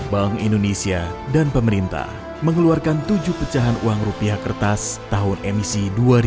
bank indonesia dan pemerintah mengeluarkan tujuh pecahan uang rupiah kertas tahun emisi dua ribu dua puluh